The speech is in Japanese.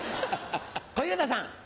小遊三さん。